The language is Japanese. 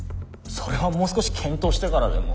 それはもう少し検討してからでも。